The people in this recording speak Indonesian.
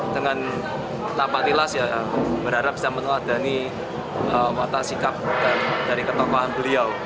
dengan tanpa tilas ya berharap bisa meneladani watak sikap dari ketokohan beliau